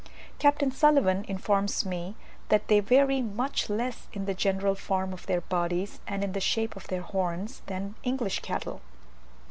Capt. Sulivan informs me that they vary much less in the general form of their bodies and in the shape of their horns than English cattle.